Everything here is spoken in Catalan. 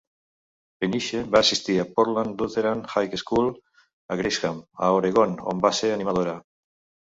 Peniche va assistir a Portland Lutheran High School a Gresham, a Oregon, on va ser animadora.